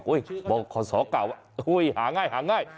เฮ้ยบอกขอสอเก่าหาง่าย